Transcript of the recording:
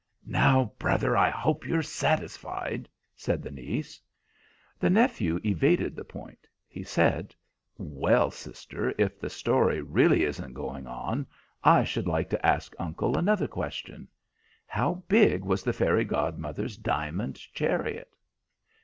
"Now, brother, I hope you're satisfied!" said the niece. The nephew evaded the point. He said: "Well, sister, if the story really isn't going on, I should like to ask uncle another question. How big was the fairy godmother's diamond chariot?"